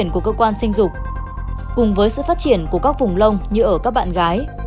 cùng với sự phát triển của các vùng lông như ở các bạn gái